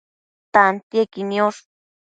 tantiequi niosh